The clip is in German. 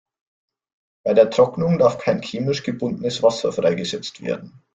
Bei der Trocknung darf kein chemisch gebundenes Wasser freigesetzt werden.